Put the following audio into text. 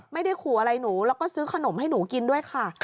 ไม่ได้ขู่อะไรหนูแล้วก็ซื้อขนมให้หนูกินด้วยค่ะ